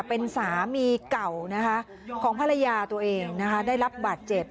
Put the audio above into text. เป็นสามีเก่าของภรรยาตัวเองได้รับบัตรเจ็บ